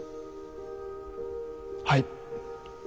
はい。